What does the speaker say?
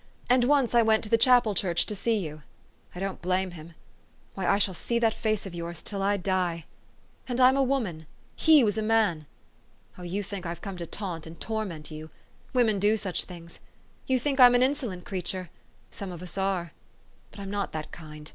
And once I went to the chapel church to see 3 T ou. I don't blame him. Why, I shall see that face of yours till I die! And I'm a woman. He was a man. Oh, you think I've come to taunt and torment you ! Women do such things. You think I'm an insolent creature ! some of us are. But I'm not that kind.